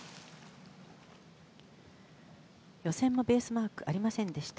予選もベースマークありませんでした。